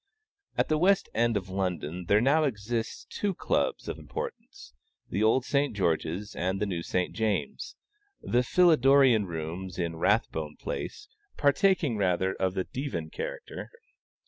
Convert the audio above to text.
At the West End of London, there now exist two clubs of importance, the old St. George's and the new St. James's; the Philidorean Rooms in Rathbone Place partaking rather of the divan character.